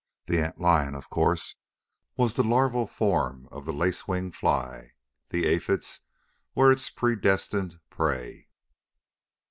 The ant lion, of course, was the larval form of a lace wing fly. The aphids were its predestined prey.